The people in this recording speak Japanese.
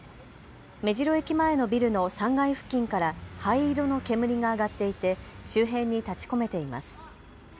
目白駅前のビルの３階付近から灰色の煙が上がっていて周辺に立ちこめています。